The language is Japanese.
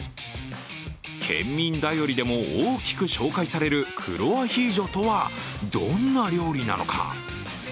県民だよりでも大きく紹介される黒アヒージョとはどんな料理なのか。